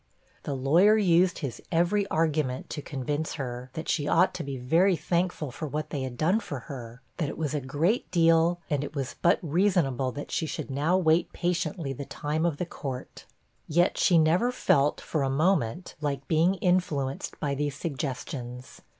The lawyer used his every argument to convince her, that she ought to be very thankful for what they had done for her; that it was a great deal, and it was but reasonable that she should now wait patiently the time of the court. Yet she never felt, for a moment, like being influenced by these suggestions.